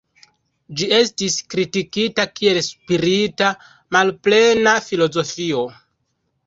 Ĝi estis kritikita kiel spirite malplena filozofio.